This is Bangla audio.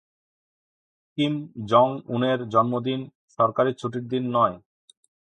কিম জং-উনের জন্মদিন সরকারি ছুটির দিন নয়।